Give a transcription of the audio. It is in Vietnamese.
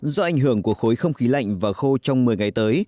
do ảnh hưởng của khối không khí lạnh và khô trong một mươi ngày tới